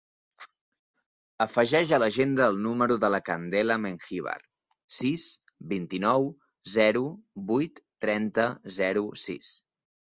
Afegeix a l'agenda el número de la Candela Mengibar: sis, vint-i-nou, zero, vuit, trenta, zero, sis.